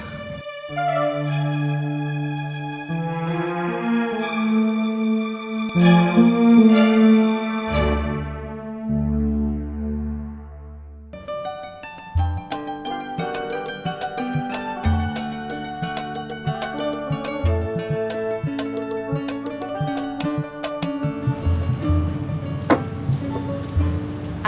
melakukan tes dna nya